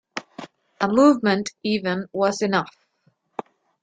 A movement even was enough.